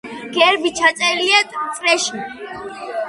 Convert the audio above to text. გერბი ჩაწერილია წრეში.